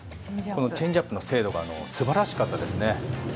チェンジアップの精度が素晴らしかったですね。